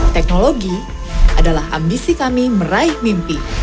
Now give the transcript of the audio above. teknologi adalah ambisi kami meraih mimpi